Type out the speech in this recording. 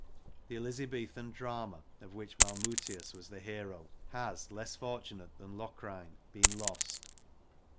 The Elizabethan drama, of which Malmutius was the hero, has less fortunate than Locrine been lost.